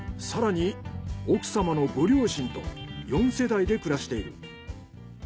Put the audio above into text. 更に奥様のご両親と４世代で暮らしている。